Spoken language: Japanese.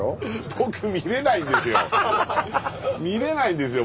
僕見れないんですよ。